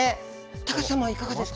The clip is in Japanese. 高瀬さんもいかがですか。